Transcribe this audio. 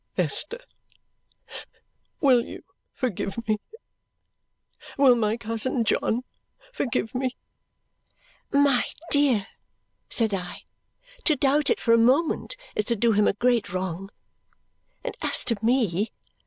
"Esther, will you forgive me? Will my cousin John forgive me?" "My dear," said I, "to doubt it for a moment is to do him a great wrong. And as to me!"